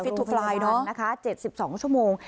ฟิตทูฟไลน์นะคะ๗๒ชั่วโมง